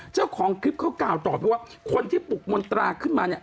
เจ้าของคลิปเขากล่าวคนที่ปลุกมนตราขึ้นมา